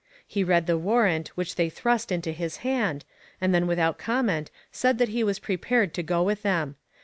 He read the warrant which they thrust into his hand, and then without comment said that he was prepared to go with them.